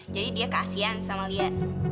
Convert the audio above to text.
jadi dia kasihan sama lia